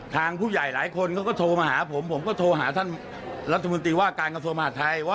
ทางผู้ใหญ่หลายคนเขาก็โทรมาหาผมผมก็โทรหาท่านรัฐมนตรีว่าการกระทรวงมหาดไทยว่า